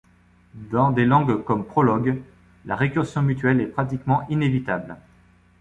Dans des langages comme Prolog, la récursion mutuelle est pratiquement inévitable.